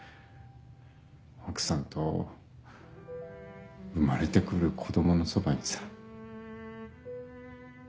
奥さんと生まれて来る子供のそばにさ。